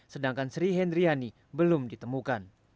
sedangkan sri hendriani belum ditemukan